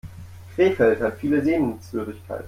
Krefeld hat viele Sehenswürdigkeiten